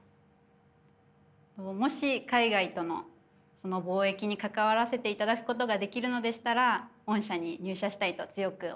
もし海外との貿易に関わらせていただくことができるのでしたら御社に入社したいと強く思います。